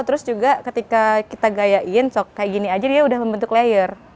terus juga ketika kita gaya in kayak gini saja dia sudah membentuk layer